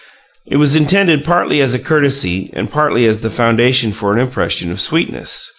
It was intended partly as a courtesy and partly as the foundation for an impression of sweetness.